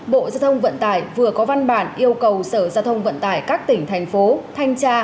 bộ giao thông vận tải vừa có văn bản yêu cầu sở giao thông vận tải các tỉnh thành phố thanh tra